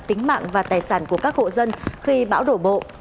tính mạng và tài sản của các hộ dân khi bão đổ bộ